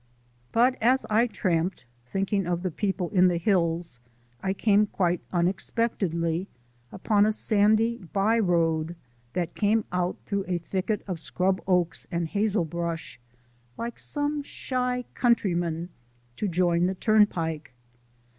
But as I tramped, thinking of the people in the hills, I came quite unexpectedly upon a sandy by road that came out through a thicket of scrub oaks and hazel brush, like some shy countryman, to join the turn pike.